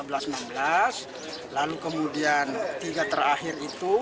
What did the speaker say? lalu kemudian tiga terakhir itu